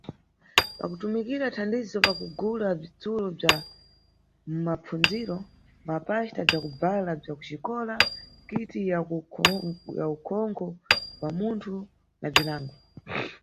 Pakutumikira thandizo pakugula bzitsulo bza mapfundziro, mapaxta, bzakubvala bza kuxikola, kiti ya ukhonkho bwa munthu, na bzinango.